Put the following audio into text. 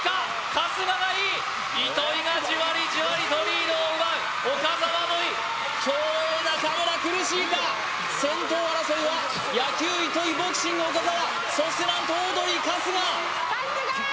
春日がいい糸井がじわりじわりとリードを奪う岡澤もいい競泳・中村苦しいか先頭争いは野球・糸井ボクシング・岡澤そして何とオードリー春日春日！